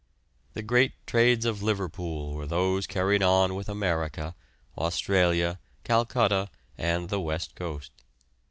The great trades of Liverpool were those carried on with America, Australia, Calcutta, and the West Coast.